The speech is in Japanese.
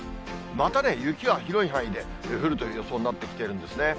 またね、雪が広い範囲で降るという予想になってきているんですね。